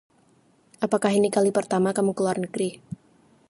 Apakah ini kali pertama kamu ke luar negeri?